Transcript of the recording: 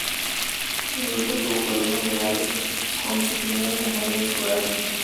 El grupo tuvo problemas legales con su primera compañía discográfica.